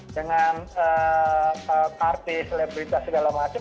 dengan artis selebritas segala macam